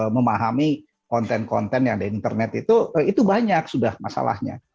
memahami konten konten yang ada internet itu itu banyak sudah masalahnya